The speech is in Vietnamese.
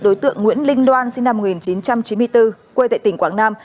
đối tượng nguyễn linh loan sinh năm một nghìn chín trăm chín mươi bốn quê tại tỉnh quảng nam